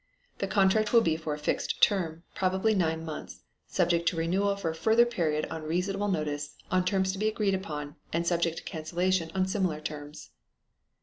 The contract will be for a fixed term, probably nine months, subject to renewal for a further period on reasonable notice, on terms to be agreed upon and subject to cancellation on similar terms.